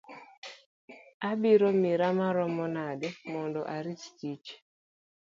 Abiro mira maromo nade mondo arit tich?